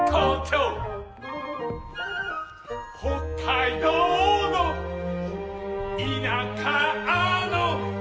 「北海道の田舎の」